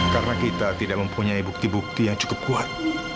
karena kita tidak mempunyai bukti bukti yang cukup kuat